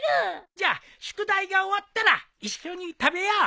じゃあ宿題が終わったら一緒に食べよう。